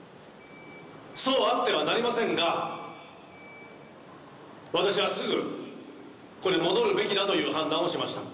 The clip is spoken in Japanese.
そうあってはなりませんが、私はすぐ、ここで戻るべきだという判断をしました。